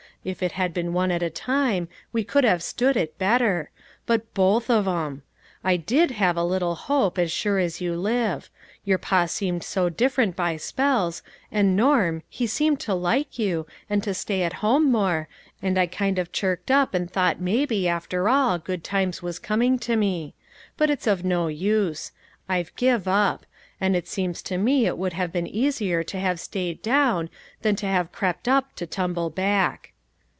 If it had been one at a time, we could have stood it better ; but both of 'em ! I did have a little hope, as sure as you live. Your pa seemed so different by spells, and Norm, he seemed to like you, and to stay at home more, and I kind of chirked up and thought may be, after all, good times was coming to me ; but it's all of no use ; I've give up ; and it seema to me it would have been easier to have stayed down, than to have crept up, to tumble back.